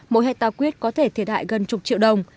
mỗi hệ tà quyết có thể thiệt hại gần chục triệu đồng